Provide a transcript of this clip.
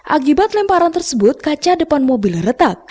akibat lemparan tersebut kaca depan mobil retak